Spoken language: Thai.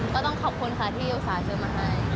ก็ต้องขอบคุณค่ะที่อยู่สายเชิญมาให้